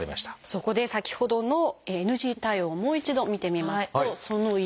そこで先ほどのＮＧ対応をもう一度見てみますとその１です。